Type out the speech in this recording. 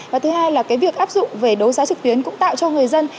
và thứ hai là cái việc áp dụng về đấu giá trực tuyến cũng tạo cho người dân